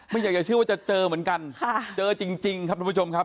ไม่อยากจะเชื่อว่าจะเจอเหมือนกันเจอจริงครับทุกผู้ชมครับ